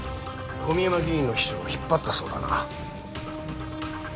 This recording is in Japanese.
小宮山議員の秘書を引っ張ったそうだな？